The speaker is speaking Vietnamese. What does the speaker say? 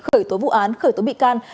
khởi tố vụ án khởi tố bị can